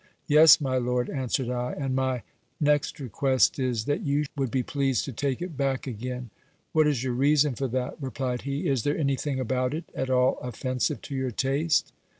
Yes, my lord, answered I ; and my next request is, that you would be pleased to take it back again. What is your reason for that ? replied he. Is there anything about it at all offensive to your taste